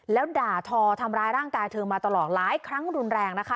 แล้วด่าทอทำร้ายร่างกายเธอมาตลอดหลายครั้งรุนแรงนะคะ